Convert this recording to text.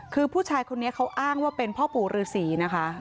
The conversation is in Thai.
คือผู้ชายคนนี้เขาอ้างว่าเป็นพ่อปู่ฤษีนะคะ